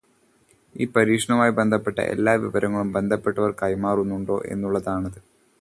ഈ പരീക്ഷണവുമായി ബന്ധപ്പെട്ട എല്ലാ വിവരങ്ങളും ബന്ധപ്പെട്ടവർ കൈമാറുന്നുണ്ടോ എന്നുള്ളതാണത്.